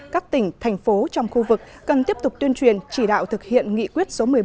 các tỉnh thành phố trong khu vực cần tiếp tục tuyên truyền chỉ đạo thực hiện nghị quyết số một mươi một